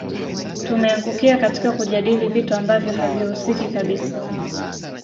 Tumeangukia katika kujadili vitu ambavyo havihusiki kabisa